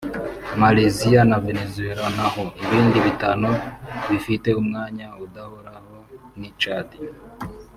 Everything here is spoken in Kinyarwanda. Malaysia na Venezuela naho ibindi bitanu bfite umwanya udahoraho ni Chad